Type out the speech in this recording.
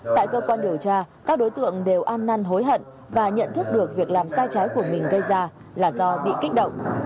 tại cơ quan điều tra các đối tượng đều an năn hối hận và nhận thức được việc làm sai trái của mình gây ra là do bị kích động